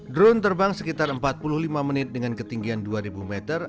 drone terbang sekitar empat puluh lima menit dengan ketinggian dua ribu meter